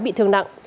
bị thương nặng